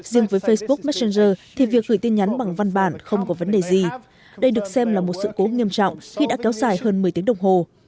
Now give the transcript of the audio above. riêng với facebook messenger thì việc gửi tin nhắn bằng văn bản không có vấn đề gì đây được xem là một sự cố nghiêm trọng khi đã kéo dài hơn một mươi tiếng đồng hồ